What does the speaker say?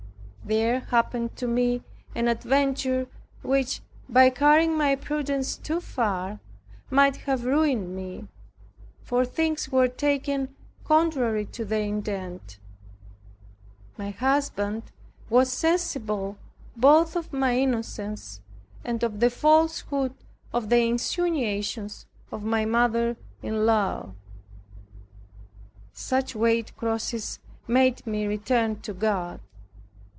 There happened to me an adventure which, by carrying my prudence too far, might have ruined me, for things were taken contrary to their intent. My husband was sensible both of my innocence and of the falsehood of the insinuations of my mother in law. Such weighty crosses made me return to God.